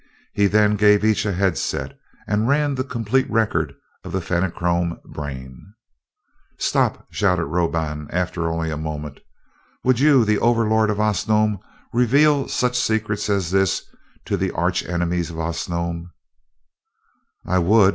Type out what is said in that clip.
He then gave each a headset, and ran the complete record of the Fenachrone brain. "Stop!" shouted Roban, after only a moment. "Would you, the Overlord of Osnome, reveal such secrets as this to the arch enemies of Osnome?" "I would.